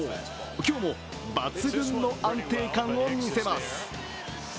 今日も抜群の安定感を見せます。